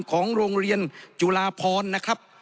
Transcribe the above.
ของโรงเรียนจุฬาพรนะครับ